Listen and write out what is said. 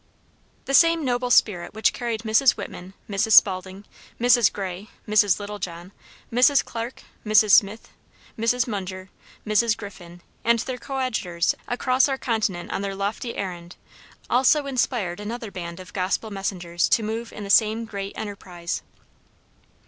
The same noble spirit which carried Mrs. Whitman, Mrs. Spaulding, Mrs. Gray, Mrs. Littlejohn, Mrs. Clark, Mrs. Smith, Mrs. Munger, Mrs. Griffin, and their coadjutors across our continent on their lofty errand, also inspired another band of gospel messengers to move in the same great enterprise.